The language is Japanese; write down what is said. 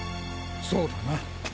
そうだな。